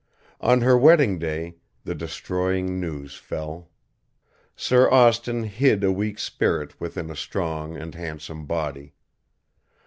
On her wedding day the destroying news fell. Sir Austin hid a weak spirit within a strong and handsome body.